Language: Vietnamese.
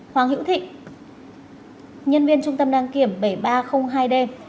hoàng hữu thịnh nhân viên trung tâm đăng kiểm bảy nghìn ba trăm linh hai d